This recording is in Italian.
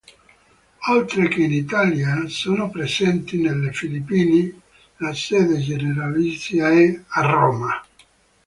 Oltre che in Italia, sono presenti nelle Filippine; la sede generalizia è a Roma.